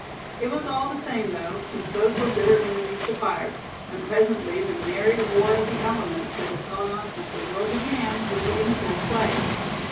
It was all the same though, since both were bitter enemies to fire; and presently the merry war of the elements, that has gone on since the world began, would be in full play.